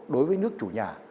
đối với nước chủ nhà